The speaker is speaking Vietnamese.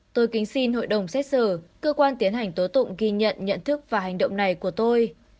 tôi kính xin hội đồng xét xử cơ quan tiến hành tố tụng ghi nhận nhận thức và hành động này của tôi